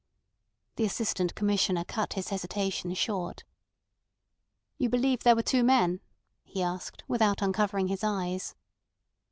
The Assistant Commissioner cut his hesitation short. "You believe there were two men?" he asked, without uncovering his eyes.